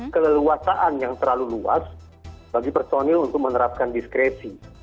keluasaan yang terlalu luas bagi personel untuk menerapkan diskreti